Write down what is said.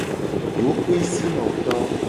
Dokoesinunoto.